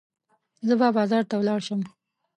زه به بازار ته ولاړه شم.